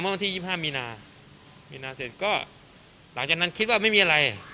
วันที่๒๕มีนามีนาเสร็จก็หลังจากนั้นคิดว่าไม่มีอะไร